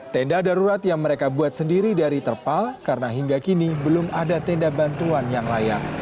tenda darurat yang mereka buat sendiri dari terpal karena hingga kini belum ada tenda bantuan yang layak